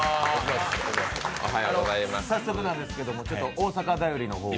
早速なんですけど、大阪便りの方を。